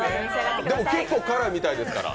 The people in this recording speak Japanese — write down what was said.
結構辛いみたいですから。